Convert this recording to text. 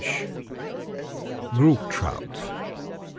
] BROOK TROUT.